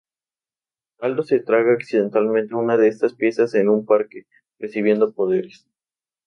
Aldo se traga accidentalmente una de estas piezas en un parque, recibiendo poderes.